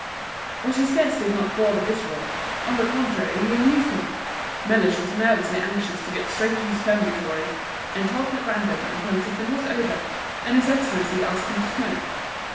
But his guest did not bore the Viceroy. On the contrary, he amused him. Mellish was nervously anxious to go straight to his Fumigatory, and talked at random until tiffin was over and His Excellency asked him to smoke.